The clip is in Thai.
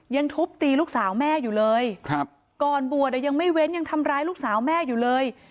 ยังทุบตีลูกสาวแม่อยู่เลยครับก่อนบวชอ่ะยังไม่เว้นยังทำร้ายลูกสาวแม่อยู่เลย